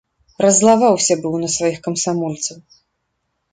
Раззлаваўся быў на сваіх камсамольцаў.